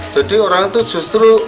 jadi orang itu justru